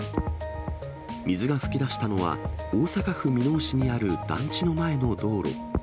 水が噴き出したのは、大阪府箕面市にある団地の前の道路。